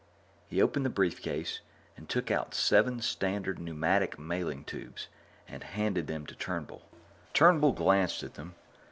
He opened the brief case and took out seven standard pneumatic mailing tubes and handed them to Turnbull. Turnbull glanced at them.